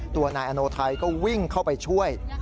ตัวนายอโนไทยก็วิ่งเข้าไปช่วย